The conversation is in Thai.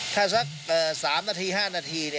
ถ้าสัก๓๕นาที